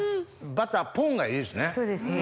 バタポンがいいですね。